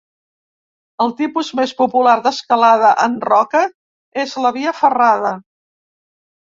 El tipus més popular d'escalada en roca és la via ferrada.